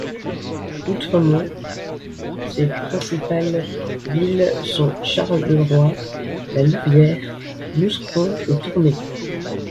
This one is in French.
Outre Mons, ses principales villes sont Charleroi, La Louvière, Mouscron et Tournai.